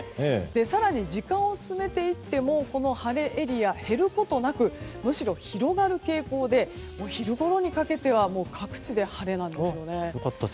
更に時間を進めていっても晴れエリアが減ることなくむしろ広がる傾向でお昼ごろにかけては各地で晴れなんですよね。